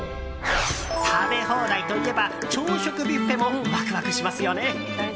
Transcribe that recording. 食べ放題といえば朝食ビュッフェもワクワクしますよね。